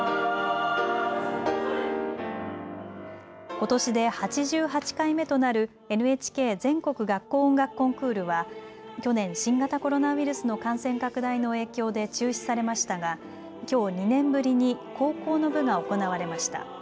ことしで８８回目となるＮＨＫ全国学校音楽コンクールは去年、新型コロナウイルスの感染拡大の影響で中止されましたがきょう２年ぶりに高校の部が行われました。